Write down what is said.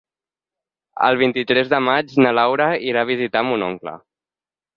El vint-i-tres de maig na Laura irà a visitar mon oncle.